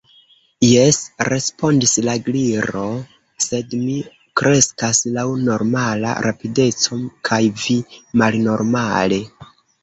"Jes," respondis la Gliro. "Sed mi kreskas laŭ normala rapideco, kaj vi malnormale!"